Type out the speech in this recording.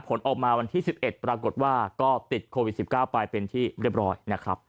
ผลออกมาวันที่๑๑ปรากฏว่าก็ติดโควิด๑๙ไปเป็นที่เรียบร้อยนะครับ